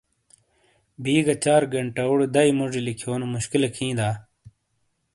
بی گہ چار گھنٹاؤڑے دَئی موجی لکھیونو مُشکلیک ہیں دا؟